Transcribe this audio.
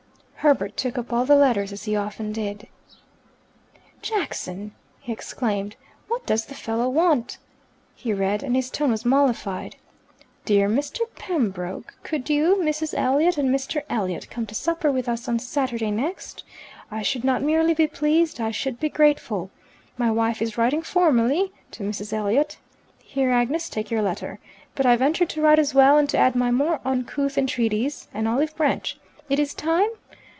Herbert took up all the letters, as he often did. "Jackson?" he exclaimed. "What does the fellow want?" He read, and his tone was mollified, "'Dear Mr. Pembroke, Could you, Mrs. Elliot, and Mr. Elliot come to supper with us on Saturday next? I should not merely be pleased, I should be grateful. My wife is writing formally to Mrs. Elliot' (Here, Agnes, take your letter), but I venture to write as well, and to add my more uncouth entreaties.' An olive branch. It is time!